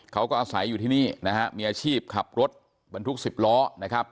เขาก็อาศัยอยู่ที่นี่นะฮะมีอาชีพขับรถบรรทุก๑๐ล้อนะครับ